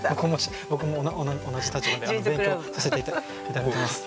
僕も同じ立場で勉強させて頂いてます。